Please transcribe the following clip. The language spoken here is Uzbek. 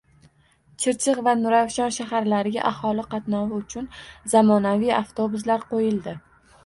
Chirchiq va Nurafshon shaharlariga aholi qatnovi uchun zamonaviy avtobuslar qo‘yildi